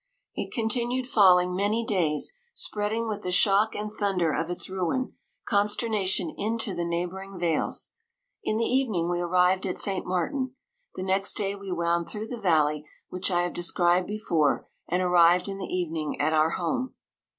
It con tinued falling many days, spreading, with the shock and thunder of its ruin, consternation into the neighbouring vales. In the evening we arrived at St. Martin. The next day we wound through the valley, which I have de scribed before, and arrived in the even ing at our home.